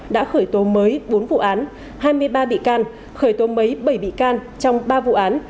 đã khởi tố mới bốn vụ án hai mươi ba bị can khởi tố mấy bảy bị can trong ba vụ án